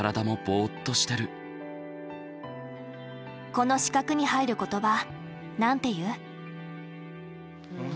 この四角に入る言葉何て言う？